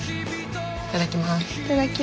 いただきます。